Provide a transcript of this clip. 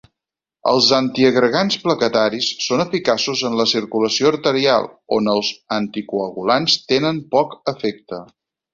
Els antiagregants plaquetaris són eficaços en la circulació arterial, on els anticoagulants tenen poc efecte.